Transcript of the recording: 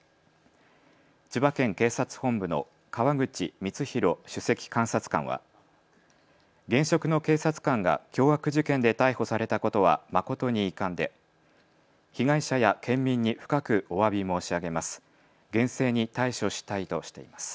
千葉県警察本部の川口光浩首席監察官は現職の警察官が凶悪事件で逮捕されたことは誠に遺憾で被害者や県民に深くおわび申し上げます。